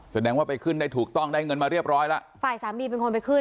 แสดงว่าไปขึ้นได้ถูกต้องได้เงินมาเรียบร้อยแล้วฝ่ายสามีเป็นคนไปขึ้น